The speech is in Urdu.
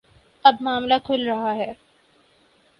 اب معاملہ کھل رہا ہے۔